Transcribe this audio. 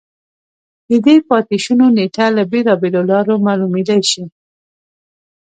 د دې پاتې شونو نېټه له بېلابېلو لارو معلومېدای شي